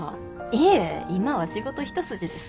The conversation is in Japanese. いえ今は仕事一筋です。